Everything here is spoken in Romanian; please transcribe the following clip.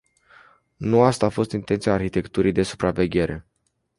Nu asta a fost intenția arhitecturii de supraveghere.